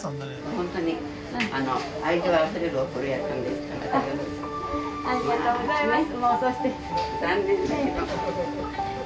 ホントにありがとうございます。